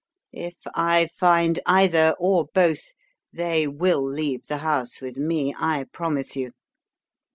"If I find either, or both, they will leave the house with me, I promise you.